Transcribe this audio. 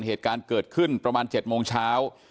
เหตุการณ์เกิดขึ้นประมาณ๗โมงเช้า